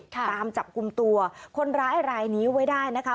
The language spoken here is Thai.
ตามจับกลุ่มตัวคนร้ายรายนี้ไว้ได้นะคะ